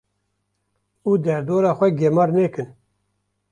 Û derdora xwe gemar nekin.